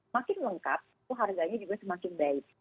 makin lengkap itu harganya juga semakin baik